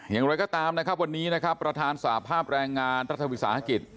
อย่างไรก็ตามนะครับวันนี้นะครับประธานสาภาพแรงงานรัฐวิสาหกิจ